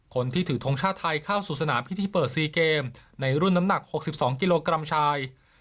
คนที่ถือทงชาติไทยเข้าสู่สนามพิธีเปิด๔เกมในรุ่นน้ำหนัก๖๒กิโลกรัมชาย